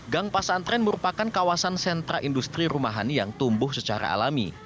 gang pasantren merupakan kawasan sentra industri rumahan yang tumbuh secara alami